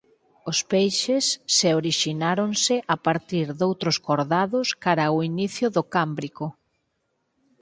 Os peixes se orixináronse a partir doutros cordados cara ao inicio do cámbrico.